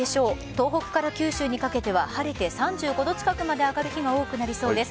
東北から九州にかけては晴れて３５度近くまで上がる日が多くなりそうです。